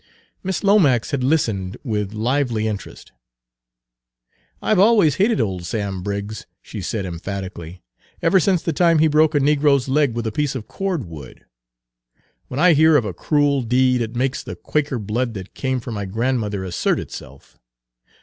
Miss Lomax had listened with lively interest. "I 've always hated old Sam Briggs," she said emphatically, "ever since the time he broke a negro's leg with a piece of cordwood. When I hear of a cruel deed it makes the Quaker blood that came from my grandmother assert itself.